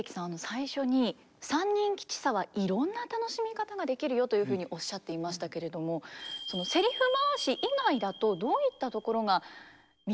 最初に「三人吉三」はいろんな楽しみ方ができるよというふうにおっしゃっていましたけれどもセリフ回し以外だとどういったところが魅力見どころだと思いますか。